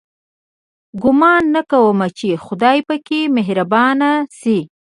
ګومان نه کوم چې خدای پاک مهربانه شي.